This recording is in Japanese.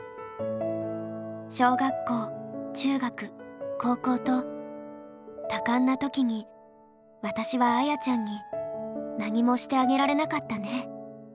小学校中学高校と多感な時に私はあやちゃんになにもしてあげられなかったね。